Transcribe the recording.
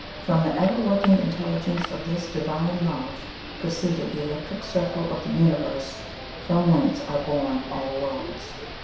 From the ever working Intelligence of this Divine Love proceeded the Electric Circle of the Universe, from whence are born all worlds.